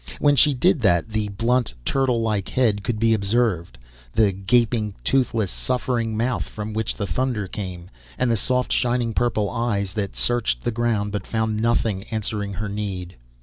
When she did that the blunt turtle like head could be observed, the gaping, toothless, suffering mouth from which the thunder came, and the soft shining purple eyes that searched the ground but found nothing answering her need.